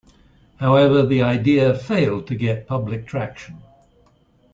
However, the idea failed to get public traction.